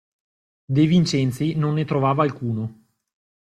De Vincenzi non ne trovava alcuno.